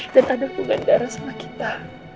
dan ada pengendara sama kita